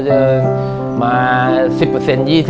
ผมก็เรียกเพราะว่าเขาเป็นลูกผม